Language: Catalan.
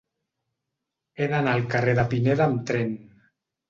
He d'anar al carrer de Pineda amb tren.